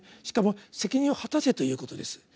しかも「責任を果たせ」ということです。